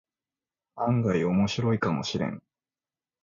案外オモシロイかもしれん